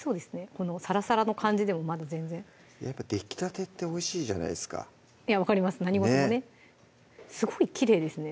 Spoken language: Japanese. このサラサラの感じでもまだ全然やっぱできたてっておいしいじゃないっすかいや分かります何事もねすごいきれいですね